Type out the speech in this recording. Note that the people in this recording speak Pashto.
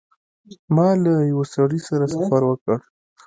ما له یوه سړي سره سفر وکړ.